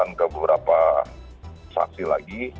pemeriksaan ke beberapa saksi lagi